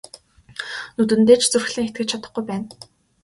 Нүдэндээ ч зүрхлэн итгэж чадахгүй байна.